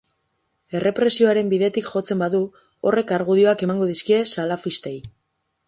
Errepresioaren bidetik jotzen badu, horrek argudioak emango dizkie salafistei.